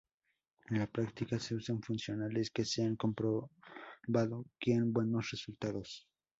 En la práctica, se usan funcionales que se han comprobado que dan buenos resultados.